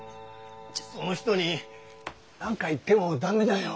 その人に何か言っても駄目だよ。